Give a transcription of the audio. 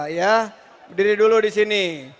ya berdiri dulu disini